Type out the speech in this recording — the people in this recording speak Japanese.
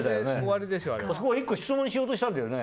あそこ１個質問しようとしたんだよね。